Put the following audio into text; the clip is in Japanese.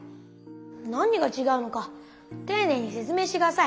何がちがうのかていねいにせつ明してください。